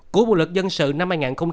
của bộ luật dân sự năm hai nghìn một mươi năm